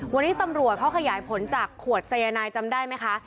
วันนี้ตำรวจเขาขยายผลจากขวดสายนายจำได้ไหมคะ